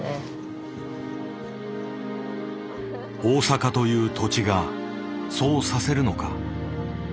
大阪という土地がそうさせるのか。